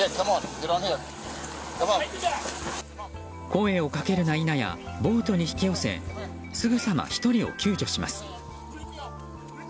声をかけるや否やボートに引き寄せすぐさま１人を救助します。